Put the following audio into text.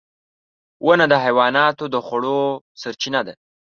• ونه د حیواناتو د خوړو سرچینه ده.